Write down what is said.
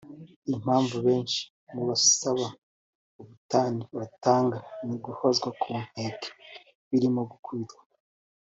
Impamvu benshi mu basaba ubutane batanga ni uguhozwa ku nkeke birimo gukubitwa